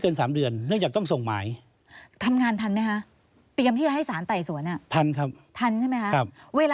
คุณจอมขวัญใช่ไหมครับ